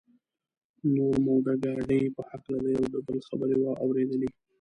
نور مو د ګاډي په هکله یو د بل خبرې اورېدلې.